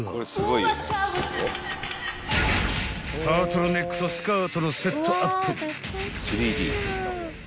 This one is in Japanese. ［タートルネックとスカートのセットアップ］